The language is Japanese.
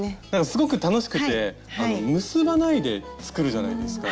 すごく楽しくて結ばないで作るじゃないですか？